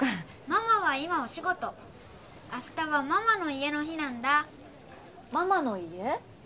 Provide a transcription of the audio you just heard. ママは今お仕事明日はママの家の日なんだママの家？